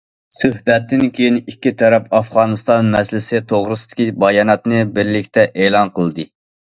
سۆھبەتتىن كېيىن ئىككى تەرەپ ئافغانىستان مەسىلىسى توغرىسىدىكى باياناتنى بىرلىكتە ئېلان قىلدى.